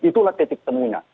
itulah titik temunya